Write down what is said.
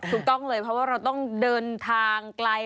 ถูกต้องเลยเพราะว่าเราต้องเดินทางไกล